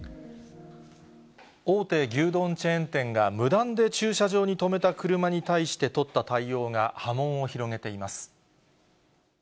大手牛丼チェーン店が、無断で駐車場に止めた車に対して取った対応が、波紋を広げています。